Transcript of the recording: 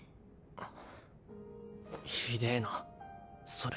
あっ。